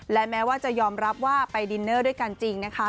และแม้ว่าจะยอมรับว่าไปดินเนอร์ด้วยกันจริงนะคะ